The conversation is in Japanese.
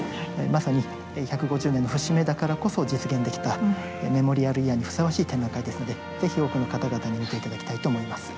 まさに１５０年の節目だからこそ実現できたメモリアルイヤーにふさわしい展覧会ですので是非多くの方々に見て頂きたいと思います。